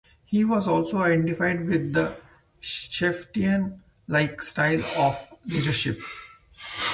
He was also identified with the "chieftain-like style" of leadership.